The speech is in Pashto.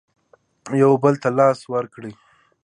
یو بل ته لاس ورکړئ